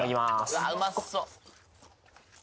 うわうまそう